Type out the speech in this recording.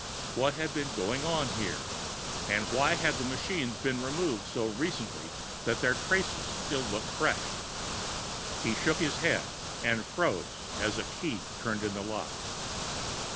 What had been going on here and why had the machines been removed so recently that their traces still looked fresh? He shook his head and froze, as a key turned in the lock.